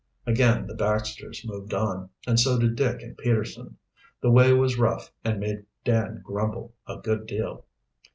Again the Baxters moved on, and so did Dick and Peterson. The way was rough and made Dan grumble a good deal.